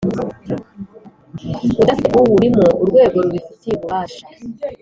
udafite uwurimo urwego rubifitiye ububasha